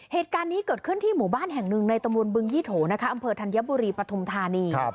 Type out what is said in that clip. เหตุการณ์นี้เกิดขึ้นที่หมู่บ้านแห่งหนึ่งในตำบลบึงยี่โถนะคะอำเภอธัญบุรีปฐุมธานี